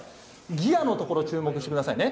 ギアの所、注目してくださいね。